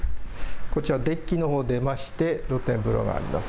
こちらデッキのほう出まして露天風呂があります。